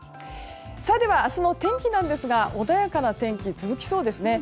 では、明日の天気なんですが穏やかな天気が続きそうですね。